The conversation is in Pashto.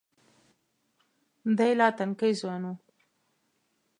دی لا تنکی ځوان و.